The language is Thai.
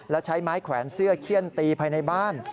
และใช้ไม้แขวนเสื้อเขี้ยนตีภายในบ้าน